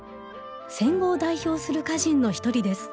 戦後を代表する歌人の一人です。